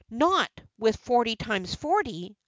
"Not with forty times forty!"